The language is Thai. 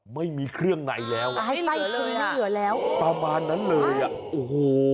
ไม่มีเครื่องในแล้วเหลือแล้วประมาณนั้นเลยอ่ะโอ้โห